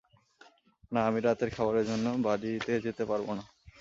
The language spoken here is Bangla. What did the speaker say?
না, আমি রাতের খাবারের জন্য বাড়িতে যেতে পারবো না।